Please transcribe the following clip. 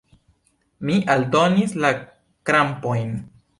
Mi aldonis la krampojn.